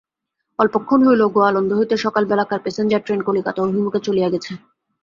অল্পক্ষণ হইল, গোয়ালন্দ হইতে সকালবেলাকার প্যাসেঞ্জার-ট্রেন কলিকাতা-অভিমুখে চলিয়া গেছে।